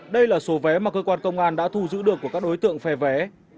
đây là số vé mà cơ quan công an đã thu giữ được của các đối tượng phe vé